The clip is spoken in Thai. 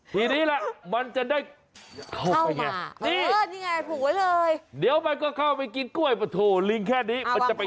ทีนี้แหละมันจะได้เข้าไปไง